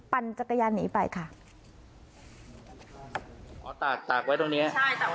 ปันจักรยานหนีไปค่ะอ๋อตากตากไว้ตรงเนี้ยใช่ตากไว้ตรงเนี้ย